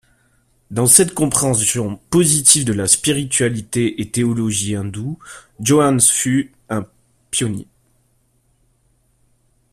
Dans cette compréhension positive de la spiritualité et théologie hindoue Johanns fut un pionnier.